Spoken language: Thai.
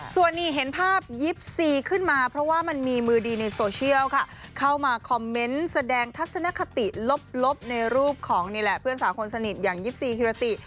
ส่วนนี้เห็นภาพยิปซีขึ้นมาเพราะว่ามันมีมือดีในโซเชียลค่ะเข้ามาคอมเมนต์แสดงทัศนคติลบในรูปของนี่แหละเพื่อนสาวคนสนิทอย่างยิปซีฮิรติ